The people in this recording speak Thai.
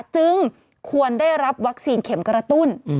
จึงควรได้รับวัคซีนเข็มกระตุ้น